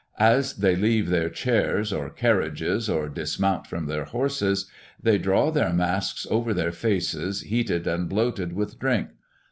As they leave their chairs or carriages, or dismount from their horses, they draw their masks over faces heated and bloated with drink.